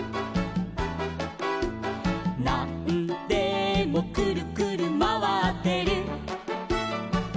「なんでもくるくるまわってる」